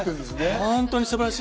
本当に素晴らしい！